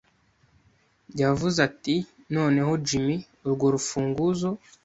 Yavuze ati: “Noneho Jim, urwo rufunguzo.”